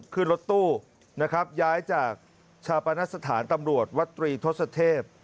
ขึ้นรถตู้นะครับย้ายจากชาปนสถานตำรวจวัตรีทศเทพ